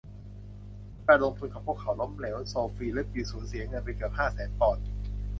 เมื่อการลงทุนของพวกเขาล้มเหลวโซฟีและบิล สูญเสียเงินไปเกือบห้าแสนปอนด์